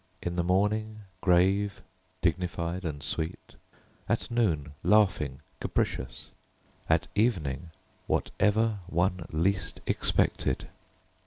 In the morning grave, dignified and sweet, at noon laughing, capricious, at evening whatever one least expected.